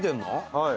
はい。